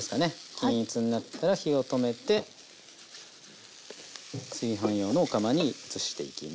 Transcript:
均一になったら火を止めて炊飯用のお釜に移していきます。